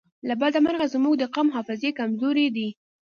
له بده مرغه زموږ د قام حافظې کمزورې دي